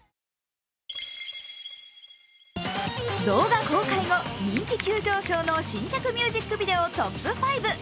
動画公開後人気急上昇の新着ミュージックビデオトップ５。